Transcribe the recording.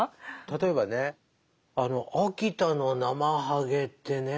例えばね秋田のナマハゲってね